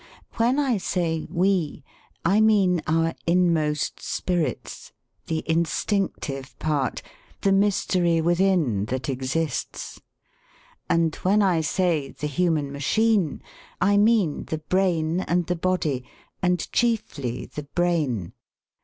When I say 'we,' I mean our inmost spirits, the instinctive part, the mystery within that exists. And when I say 'the human machine' I mean the brain and the body and chiefly the brain.